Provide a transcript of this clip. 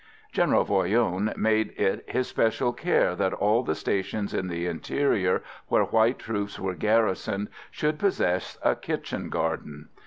General Voyron made it his special care that all the stations in the interior where white troops were garrisoned should possess a kitchen garden.